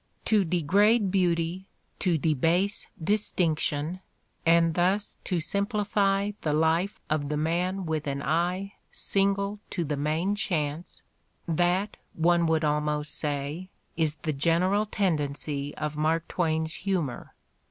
To degrade beauty, to debase distinction and thus to simplify the life of the man with an eye single to the main chance — that, one would almost say, is the general tendency of Mark Twain 's humor.